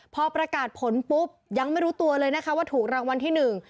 พอประกาศผลปุ๊บยังไม่รู้ตัวเลยนะคะว่าถูกรางวัลที่หนึ่ง